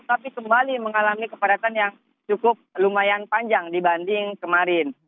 tapi kembali mengalami kepadatan yang cukup lumayan panjang dibanding kemarin